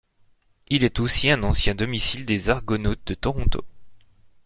Il est aussi un ancien domicile des Argonauts de Toronto.